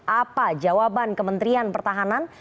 apa jawaban kementerian pertahanan